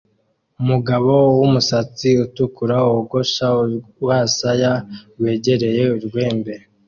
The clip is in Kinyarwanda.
Umugabo wumusatsi utukura wogosha urwasaya rwegereye urwembe